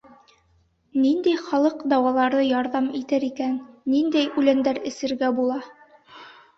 Ниндәй халыҡ дауалары ярҙам итер икән, ниндәй үләндәр эсергә була?